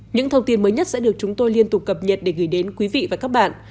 những thông tin mới nhất sẽ được chúng tôi liên tục cập nhật để gửi đến quý vị và các bạn